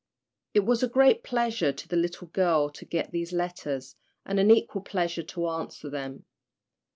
It was a great pleasure to the little girl to get these letters, and an equal pleasure to answer them.